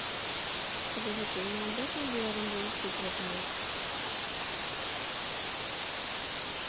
قەدىرلىكىم، مەن بەكمۇ بىئارام بولۇپ كېتىۋاتىمەن.